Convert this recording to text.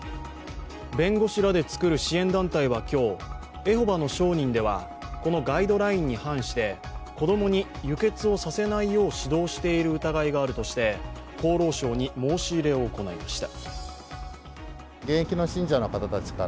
弁護士らで作る支援団体は今日エホバの証人では、このガイドラインに反して子供に輸血をさせないよう指導している疑いがあるとして厚労省に申し入れを行いました。